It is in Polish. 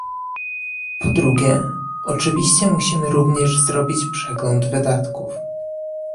Po drugie, oczywiście musimy również zrobić przegląd wydatków